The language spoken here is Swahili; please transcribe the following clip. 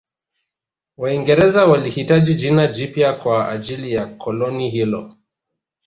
Waingereza walihitaji jina jipya kwa ajili ya koloni hilo